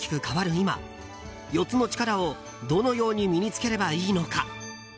今４つの力をどのように身に着ければいいのか。